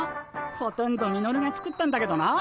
ほとんどミノルが作ったんだけどな。